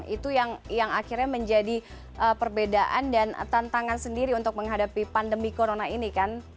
itu yang akhirnya menjadi perbedaan dan tantangan sendiri untuk menghadapi pandemi corona ini kan